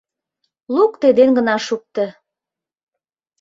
Луктеден гына шукто.